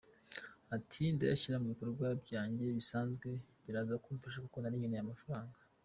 Ati “Ndayashyira mu bikorwa byanjye bisanzwe, biraza kumfasha kuko nari nkeneye amafaranga.